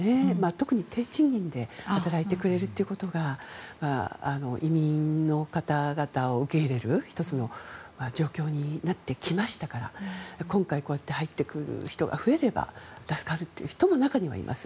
特に低賃金で働いてくれるということが移民の方々を受け入れる、１つの状況になってきましたから今回、入ってくる人が増えれば助かるという人も中にはいます。